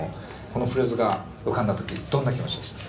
このフレーズが浮かんだ時どんな気持ちでした？